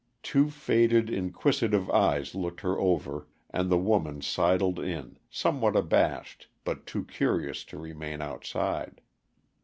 Two faded, inquisitive eyes looked her over, and the woman sidled in, somewhat abashed, but too curious to remain outside.